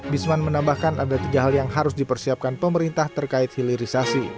bisman menambahkan ada tiga hal yang harus dipersiapkan pemerintah terkait hilirisasi